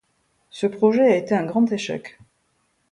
Ce projet a été un grand échec.